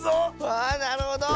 わあなるほど！